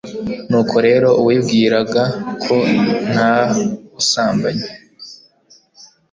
nuko rero uwibwiraga ko nta busambanyi